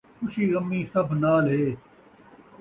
خوشی غمی سبھ نال ہے